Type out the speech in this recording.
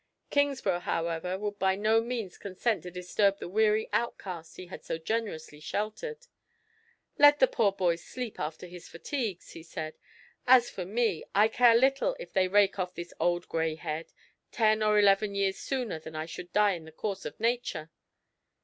Kingsburgh, however, would by no means consent to disturb the weary outcast he had so generously sheltered. "Let the poor boy sleep after his fatigues," he said. "As for me, I care little if they rake off this old gray head, ten or eleven years sooner than I should die in the course of nature."